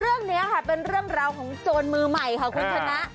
เรื่องนี้ค่ะเป็นเรื่องราวของโจรมือใหม่ค่ะคุณชนะ